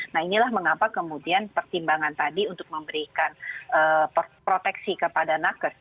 nah inilah mengapa kemudian pertimbangan tadi untuk memberikan proteksi kepada nakes